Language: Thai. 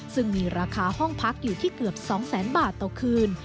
ซึ่งมีราคาห้องพักอยู่ที่เกือบ๒แสนบาทต่อคืน